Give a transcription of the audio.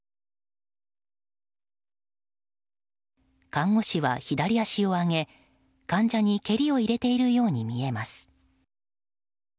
看護師は左足を上げ患者に蹴りを入れているように見えます。